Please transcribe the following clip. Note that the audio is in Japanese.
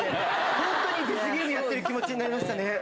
本当にデスゲームやってる気持ちになりましたね。